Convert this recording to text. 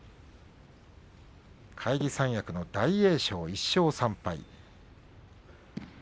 返り三役の大栄翔、１勝３敗。